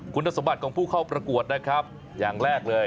คุณสมบัติของผู้เข้าประกวดนะครับอย่างแรกเลย